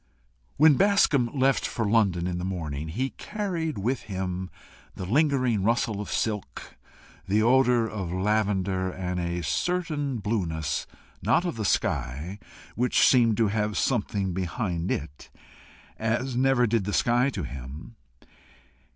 When Bascombe left for London in the morning, he carried with him the lingering rustle of silk, the odour of lavender, and a certain blueness, not of the sky, which seemed to have something behind it, as never did the sky to him.